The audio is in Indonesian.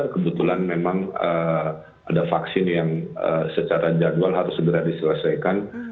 kebetulan memang ada vaksin yang secara jadwal harus segera diselesaikan